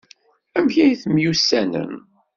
Amek ay temyussanem?